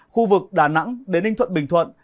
khu vực đà nẵng đến ninh thuận bình thuận